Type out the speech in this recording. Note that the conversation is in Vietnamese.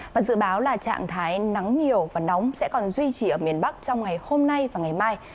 và dự báo là trạng thái nắng nhiều và nóng sẽ còn duy trì ở miền bắc trong ngày hôm nay và ngày mai